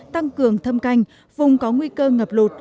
tăng cường thâm canh vùng có nguy cơ ngập lụt